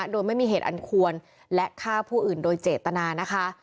โดยไม่มีเหตุอันควรและฆ่าผู้อื่นโดยเจตนานะคะ